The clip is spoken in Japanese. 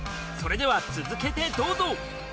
それでは続けてどうぞ！